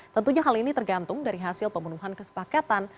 tentunya hal ini tergantung dari hasil pemenuhan kesepakatan